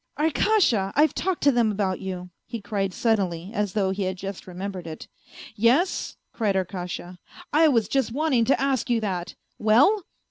" Arkasha, I've talked to them about you," he cried suddenly, as though he had just remembered it. " Yes," cried Arkasha, " I was just wanting to ask you that. Well?"